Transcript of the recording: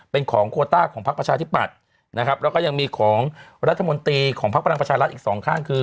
เป็นของโคต้าของพักประชาธิปัตย์นะครับแล้วก็ยังมีของรัฐมนตรีของพักพลังประชารัฐอีกสองข้างคือ